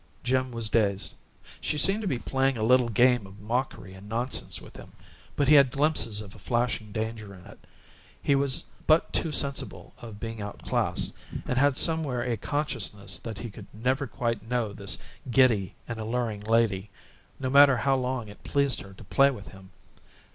Jim was dazed. She seemed to be playing a little game of mockery and nonsense with him, but he had glimpses of a flashing danger in it; he was but too sensible of being outclassed, and had somewhere a consciousness that he could never quite know this giddy and alluring lady, no matter how long it pleased her to play with him.